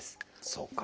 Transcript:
そうか。